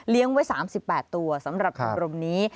เลี้ยงไว้๓๘ตัวสำหรับชมรมนี้